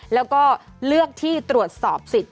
แล้วก็เลือกที่ตรวจสอบสิทธิ์